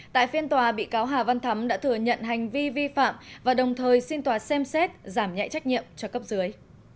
tại phiên tòa bị cáo hà văn thắm đã thừa nhận hành vi vi phạm và đồng thời xin tòa xem xét giảm nhẹ trách nhiệm cho cấp dưới